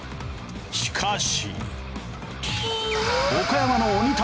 しかし。